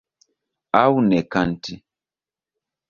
Aŭ ne kanti.